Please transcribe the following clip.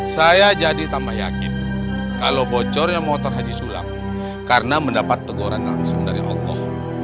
saya jadi tambah yakin kalau bocornya motor haji sulam karena mendapat teguran langsung dari allah